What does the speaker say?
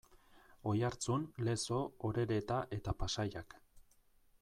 Oiartzun, Lezo, Orereta eta Pasaiak.